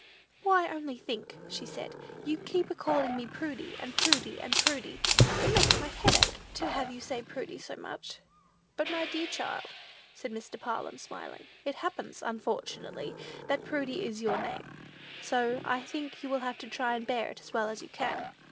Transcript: "Why; only think," said she, "you keep a calling me Prudy, and Prudy, and Prudy. It makes my head ache, to have you say Prudy so much." "But, my dear child," said Mr. Parlin, smiling, "it happens, unfortunately, that Prudy is your name; so I think you will have to try and bear it as well as you can."